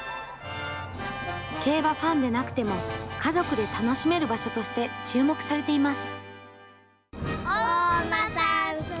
競馬ファンでなくても、家族で楽しめる場所として注目されています。